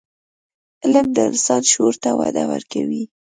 علم د انسان شعور ته وده ورکوي.